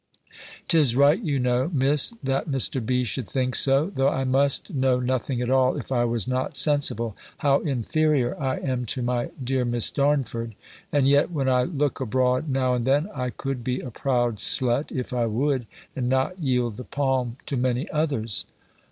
'Tis right, you know, Miss, that Mr. B. should think so, though I must know nothing at all, if I was not sensible how inferior I am to my dear Miss Darnford: and yet, when I look abroad now and then, I could be a proud slut, if I would, and not yield the palm to many others.